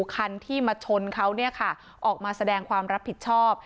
คันที่มาชนเขาเนี่ยค่ะออกมาแสดงความรับผิดชอบ